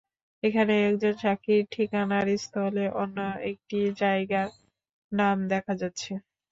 এখানে একজন সাক্ষীর ঠিকানার স্থলে অন্য একটি জায়গার নাম দেখা যাচ্ছে।